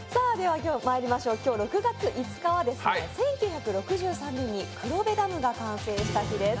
今日６月５日は１９６３年に黒部ダムが完成した日です。